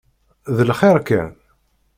D lxiṛ kan?